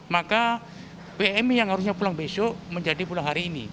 maka pmi yang harusnya pulang besok menjadi pulang hari ini